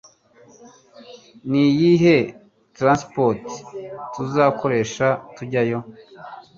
Ni iyihe Transport tuzakoresha tujyayo